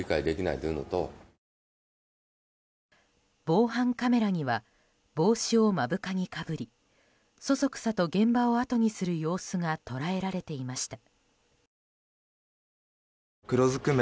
防犯カメラには帽子を目深にかぶりそそくさと現場をあとにする様子が捉えられていました。